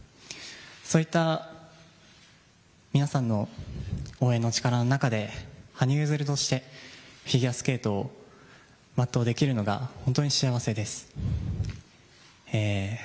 そういった皆さんの応援の力の中で、羽生結弦としてフィギアスケートを全うできるのが本当に幸せです。